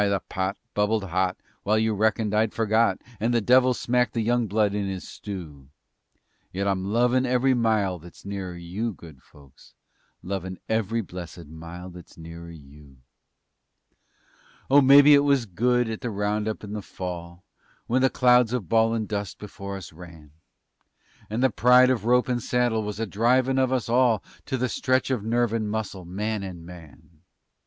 the pot bubbled hot, while you reckoned I'd forgot, And the devil smacked the young blood in his stew, Yet I'm lovin' every mile that's nearer you, Good folks, Lovin' every blessed mile that's nearer you. Oh, mebbe it was good at the roundup in the Fall When the clouds of bawlin' dust before us ran, And the pride of rope and saddle was a drivin' of us all To a stretch of nerve and muscle, man and man.